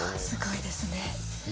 すごいですね。